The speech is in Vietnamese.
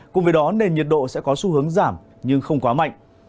cùng với đó nền nhiệt độ sẽ có xu hướng giảm nhưng không quá mạnh